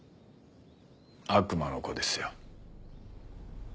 悪魔の子ですよ。